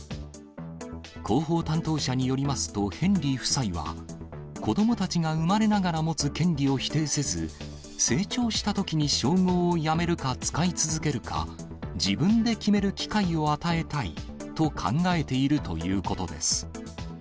広報担当者によりますと、ヘンリー夫妻は、子どもたちが生まれながら持つ権利を否定せず、成長したときに称号をやめるか使い続けるか、自分で決める機会を与えたいと考えているということです。